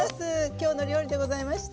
「きょうの料理」でございました。